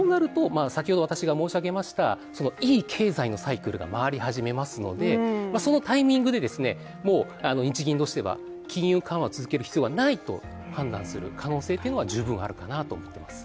そうなると、いい経済のサイクルが回り始めますのでそのタイミングで、日銀としては金融緩和続ける必要がないと判断する可能性は十分あるかなと思います。